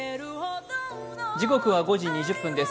時刻は５時２０分です。